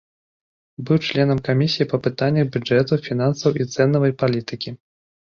Быў членам камісіі па пытаннях бюджэту, фінансаў і цэнавай палітыкі.